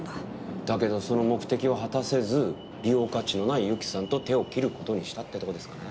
だけどその目的を果たせず利用価値のない由紀さんと手を切る事にしたってとこですかね。